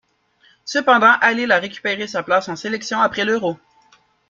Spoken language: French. Cependant Halil a récupéré sa place en sélection après l'Euro.